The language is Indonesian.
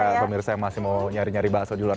ya pemirsa yang masih mau nyari nyari bakso di luar